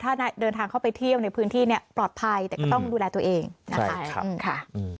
ถ้าเดินทางเข้าไปเที่ยวในพื้นที่เนี่ยปลอดภัยแต่ก็ต้องดูแลตัวเองนะคะ